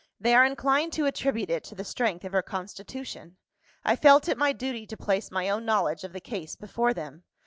"They are inclined to attribute it to the strength of her constitution. I felt it my duty to place my own knowledge of the case before them.